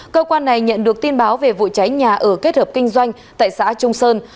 cơ quan này nhận được tin báo về vụ cháy nhà ở kết hợp kinh doanh tại xã trung sơn